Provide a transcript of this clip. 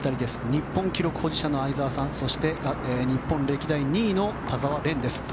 日本記録保持者の相澤さんそして、日本歴代２位の田澤廉です。